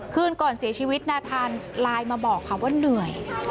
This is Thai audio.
คืนก่อนเสียชีวิตนาคารไลน์มาบอกค่ะว่าเหนื่อย